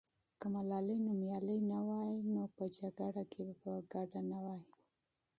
که ملالۍ نومیالۍ نه وای، نو په جګړه کې به شامله نه وای.